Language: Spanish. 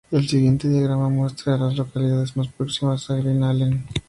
El siguiente diagrama muestra a las localidades más próximas a Glen Allen.